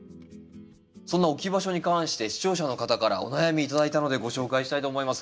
そんな置き場所に関して視聴者の方からお悩み頂いたのでご紹介したいと思います。